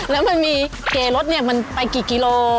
แล้วมันมีเกรถมันไปกี่กิโล